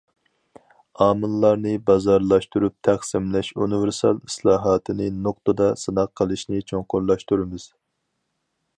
ئامىللارنى بازارلاشتۇرۇپ تەقسىملەش ئۇنىۋېرسال ئىسلاھاتىنى نۇقتىدا سىناق قىلىشنى چوڭقۇرلاشتۇرىمىز.